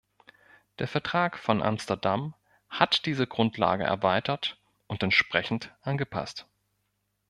Der Vertrag von Amsterdam hat diese Grundlage erweitert und entsprechend angepasst.